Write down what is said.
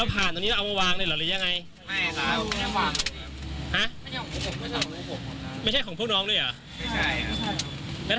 ถ้าเกิดเราไม่ได้ทำก็พูดตรงนี้ได้เลยนะ